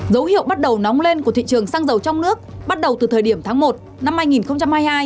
dấu hiệu bắt đầu nóng lên của thị trường xăng dầu trong nước bắt đầu từ thời điểm tháng một năm hai nghìn hai mươi hai